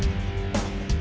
saya yang menang